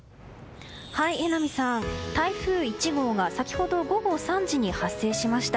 台風１号が先ほど午後１時に発生しました。